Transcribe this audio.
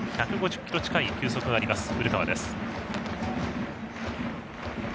１５０キロ近い球速がある古川です。